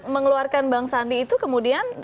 mengeluarkan bang sandi itu kemudian